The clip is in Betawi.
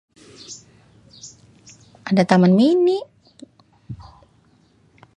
Ada Taman Mini.